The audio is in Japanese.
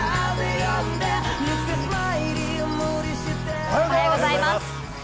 おはようございます。